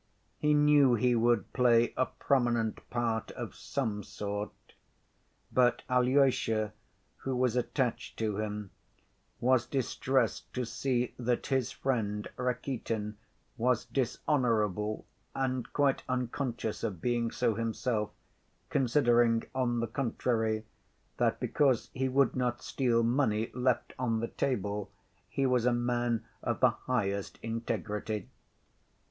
He knew he would play a prominent part of some sort, but Alyosha, who was attached to him, was distressed to see that his friend Rakitin was dishonorable, and quite unconscious of being so himself, considering, on the contrary, that because he would not steal money left on the table he was a man of the highest integrity.